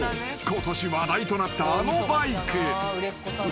ことし話題となったあのバイク］